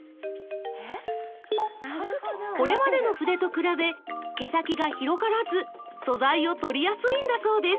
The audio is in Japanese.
これまでの筆と比べ毛先が広がらず素材を取りやすいんだそうです